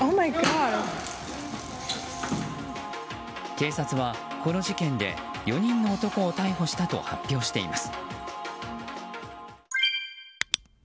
警察は、この事件で４人の男を逮捕したと発表しています。